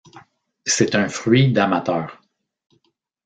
C'est un fruit d'amateur.